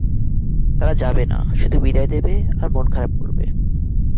তারা যাবে না, শুধু বিদায় দেবে আর মন খারাপ করবে।